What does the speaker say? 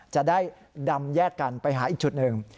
จะได้ดำแยกกันไปหาอีกจุดหนึ่ง